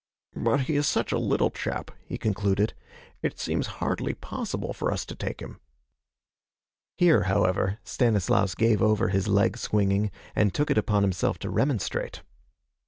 'But he is such a little chap,' he concluded, 'it seems hardly possible for us to take him.' Here, however, Stanislaus gave over his leg swinging and took it upon himself to remonstrate.